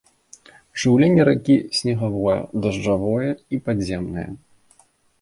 Жыўленне ракі снегавое, дажджавое і падземнае.